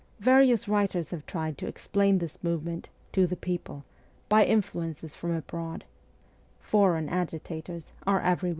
Various writers have tried to explain this movement ' to the people ' by influences from abroad ' foreign agitators ' are everywhere a VOL.